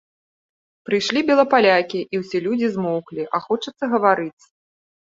Прыйшлі белапалякі, і ўсе людзі змоўклі, а хочацца гаварыць.